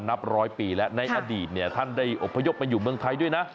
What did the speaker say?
นับร้อยปีและในอดีตท่านได้อพยพมาอยู่เมืองไทยด้วยนะ